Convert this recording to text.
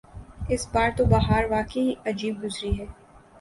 اس بار تو بہار واقعی عجیب گزری ہے۔